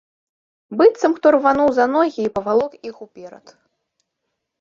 Быццам хто рвануў за ногі і павалок іх уперад.